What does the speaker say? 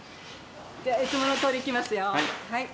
じゃあいつものとおりいきますよ。